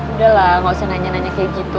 udah lah gak usah nanya nanya kayak gitu